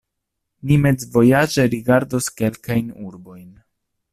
Ni mezvojaĝe rigardos kelkajn urbojn.